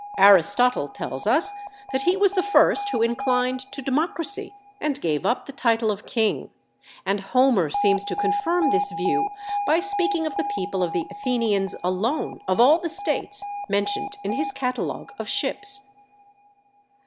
Aristotle tells us that he was the first who inclined to democracy, and gave up the title of king; and Homer seems to confirm this view by speaking of the people of the Athenians alone of all the states mentioned in his catalogue of ships.